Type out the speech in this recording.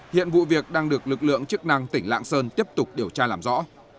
hiện vụ việc đang được lực lượng chức năng tỉnh lạng sơn tiếp tục điều tra làm rõ